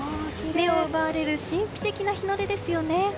目を奪われる神秘的な日の出ですよね。